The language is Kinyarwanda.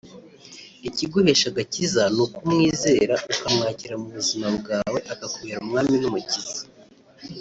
Ikiguhesha agakiza ni Ukumwizera ukamwakira mu buzima bwawe akakubera umwami n’umukiza